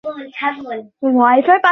হ্যাঁ, বানি।